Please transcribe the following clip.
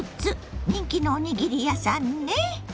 人気のおにぎり屋さんね。